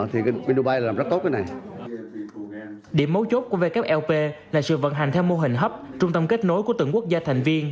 hội viên là sự vận hành theo mô hình hấp trung tâm kết nối của từng quốc gia thành viên